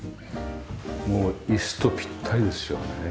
もう椅子とピッタリですよね。